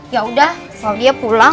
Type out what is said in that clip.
ya udah claudia pulang